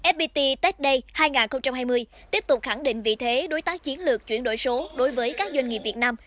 fpt tech day hai nghìn hai mươi tiếp tục khẳng định vị thế đối tác chiến lược chuyển đổi số đối với các doanh nghiệp việt nam